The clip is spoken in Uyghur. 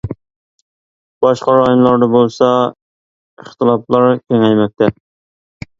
باشقا رايونلاردا بولسا ئىختىلاپلار كېڭەيمەكتە.